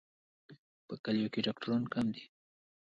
په کلیو کې ډاکټران کم دي.